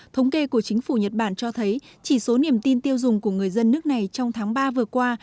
thống kê của chính phủ nhật bản cho thấy chỉ số niềm tin tiêu dùng của người dân nước này trong tháng ba vừa qua